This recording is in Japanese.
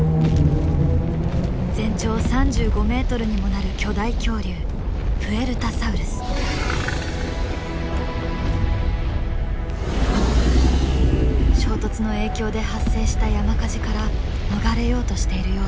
全長３５ｍにもなる巨大恐竜衝突の影響で発生した山火事から逃れようとしているようだ。